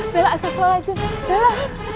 bella asal kewalahan aja bella